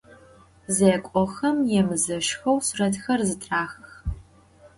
Zêk'oxem yêmızeşxeu suretxer zıtraxıx.